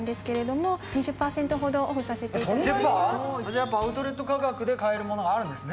やっぱアウトレット価格で買えるものがあるんですね